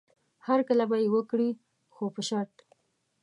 هرکلی به یې وکړي خو په شرط.